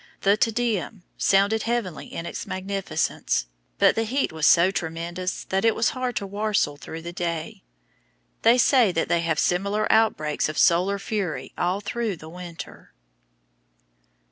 The "Te Deum" sounded heavenly in its magnificence; but the heat was so tremendous that it was hard to "warstle" through the day. They say that they have similar outbreaks of solar fury all through the winter.